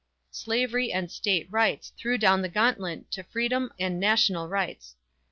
Slavery and "State Rights" threw down the gauntlet to Freedom and "National Rights!"